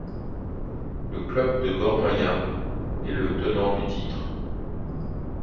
Le club de Gor Mahia est le tenant du titre.